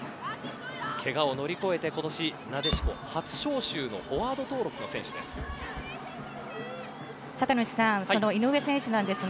けがを乗り越えて今年なでしこ初招集のフォワード登録の選手です。